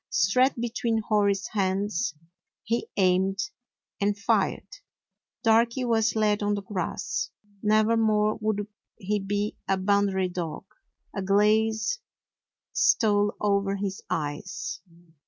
Straight be tween Hori's hands he aimed and fired. Darky was laid on the grass. Nevermore would he be a Boundary dog. A glaze stole over his eyes.